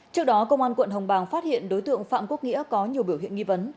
trước đó công an quận hồng bàng phát hiện đối tượng phạm quốc nghĩa có nhiều biểu hiện nghi vấn